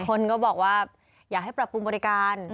คนก็บอกว่าอยากให้ปรับปรุงบริการ